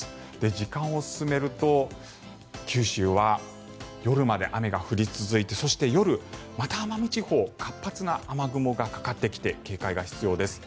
時間を進めると、九州は夜まで雨が降り続いてそして夜、また奄美地方活発な雨雲がかかってきて警戒が必要です。